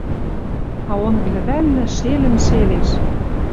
А онг лӹвӓлнӹ шелӹн-шелеш.